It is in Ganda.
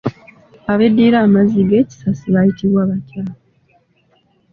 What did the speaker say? Abeddira amazzi g'ekisasi bayitibwa batya?